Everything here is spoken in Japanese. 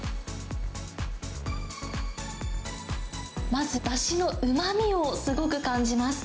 まず、だしのうまみをすごく感じます。